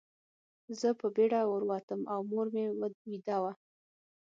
زه په بېړه ور ووتم او مور مې ویده وه